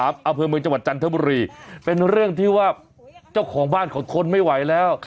อเภอเมืองจันทบุรีเป็นเรื่องที่ว่าเจ้าของบ้านของคนไม่ไหวแล้ว